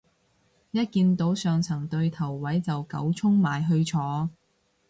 一見到上層對頭位就狗衝埋去坐